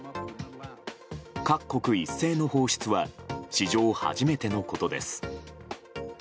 各国一斉の放出は史上初めてのことです。